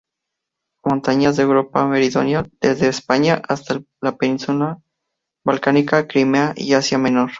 Montañas de Europa meridional, desde España hasta la Península Balcánica, Crimea y Asia Menor.